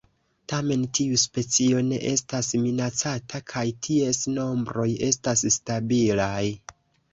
Tamen tiu specio ne estas minacata, kaj ties nombroj estas stabilaj.